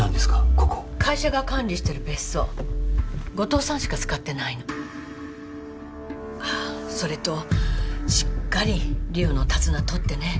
ここ会社が管理してる別荘後藤さんしか使ってないのああそれとしっかり梨央の手綱取ってね